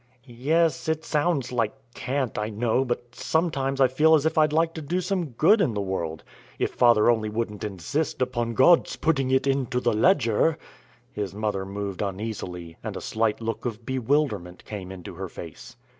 "Yes, it sounds like cant, I know, but sometimes I feel as if I'd like to do some good in the world, if father only wouldn't insist upon God's putting it into the ledger." His mother moved uneasily, and a slight look of bewilderment came into her face.